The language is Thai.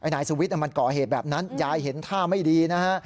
นายสุวิทย์มันก่อเหตุแบบนั้นยายเห็นท่าไม่ดีนะฮะ